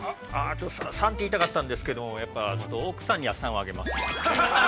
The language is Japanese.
◆ちょっと「賛」と言いたかったんですけどもやっぱ奥さんには賛をあげます。